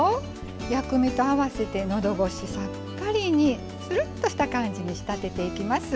薬味と合わせてのどごし、さっぱりにするっとした感じに仕立てていきます。